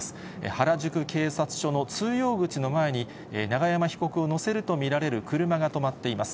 原宿警察署の通用口の前に、永山被告を乗せると見られる車が止まっています。